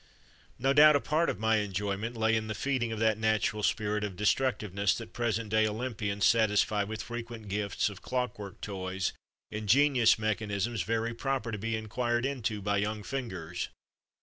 No doubt a part of my enjoyment lay in the feeding of that natural spirit of destruc tiveness that present day Olympians satisfy with frequent gifts of clockwork toys, ingenious mechanisms very proper to be in quired into by young fingers.